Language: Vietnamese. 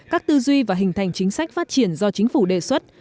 các tư duy và hình thành chính sách phát triển do chính phủ đề xuất